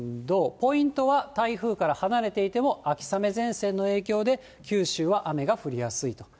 ポイントは、台風から離れていても秋雨前線の影響で、九州は雨が降りやすいと。